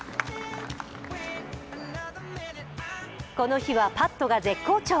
この日はパットが絶好調。